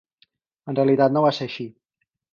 En realitat no va ser així.